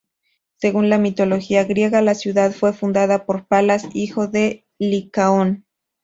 Según la mitología griega, la ciudad fue fundada por Palas, hijo de Licaón.